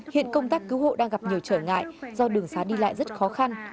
hiện công tác cứu hộ đang gặp nhiều trở ngại do đường xá đi lại rất khó khăn